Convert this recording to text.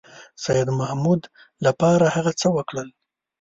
سیدمحمود لپاره هغه څه وکړل.